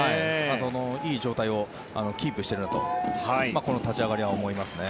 いい状態をキープしているなとこの立ち上がりは思いますね。